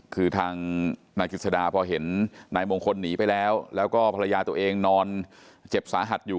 คือทางนายกิจสดาพอเห็นนายมงคลหนีไปแล้วแล้วก็ภรรยาตัวเองนอนเจ็บสาหัสอยู่